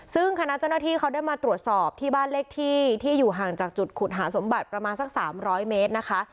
ซึ่งคณะเจ้าหน้าที่เขาได้มาตรวจสอบที่บ้านเลขที่ที่อยู่ห่างจากจุดขุดหาสมบัติประมาณสัก๓๐๐เมตรนะคะ